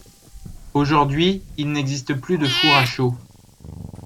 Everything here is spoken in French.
Aujourd'hui, il n'existe plus de four à chaux.